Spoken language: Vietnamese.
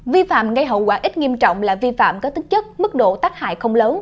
vi phạm gây hậu quả ít nghiêm trọng là vi phạm có tính chất mức độ tắc hại không lớn